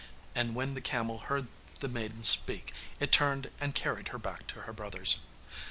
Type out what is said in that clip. And when the camel heard the maiden speak, it turned and carried her back to her brothers.